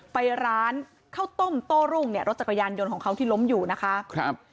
ไปร้านเข้าต้มโต้รุ่งรถจักรยานยนต์ของเขาที่ล้มอยู่นะคะ